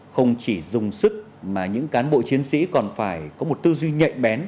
không chỉ dùng sức mà những cán bộ chiến sĩ còn phải có một tư duy nhạy bén